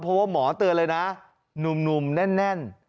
เพราะว่าหมอเตือนเลยนะหนุ่มแน่น